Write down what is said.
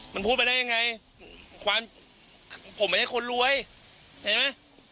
มันพูดไปได้ยังไงความผมไม่ใช่คนรวยเห็นไหม